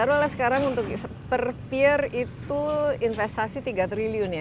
taruhlah sekarang untuk per puer itu investasi tiga triliun ya